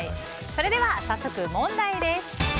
それでは早速、問題です。